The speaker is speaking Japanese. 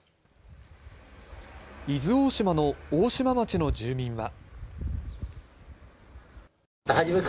伊豆大島の大島町の住民は。